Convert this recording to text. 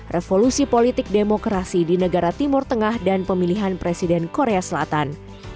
revolusi politik demokrasi di negara timur tengah dan pemilihan presiden korea selatan